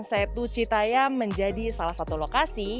setu citayam menjadi salah satu lokasi